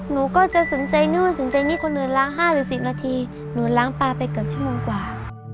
หนูก็จะสนใจนู่นสนใจนี่คนอื่นล้าง๕หรือ๑๐นาทีหนูล้างปลาไปเกือบชั่วโมงกว่า